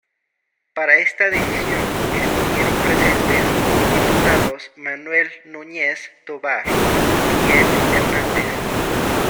Para esta decisión estuvieron presentes como diputados Manuel Núñez Tovar, Miguel Hernández.